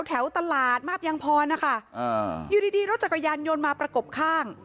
แถวตลาดมาบยังพรนะคะอยู่ดีดีรถจักรยานยนต์มาประกบข้าง